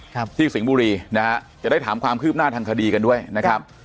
ครับที่สิงห์บุรีนะฮะจะได้ถามความคืบหน้าทางคดีกันด้วยนะครับ